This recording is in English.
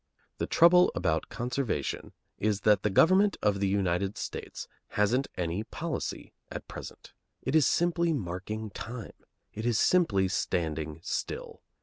The trouble about conservation is that the government of the United States hasn't any policy at present. It is simply marking time. It is simply standing still.